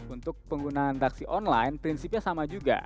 untuk penggunaan taksi online prinsipnya sama juga